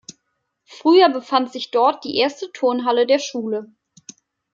Früher befand sich dort die erste Turnhalle der Schule.